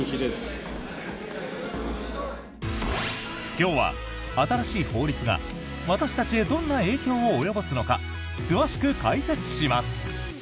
今日は、新しい法律が私たちへどんな影響を及ぼすのか詳しく解説します。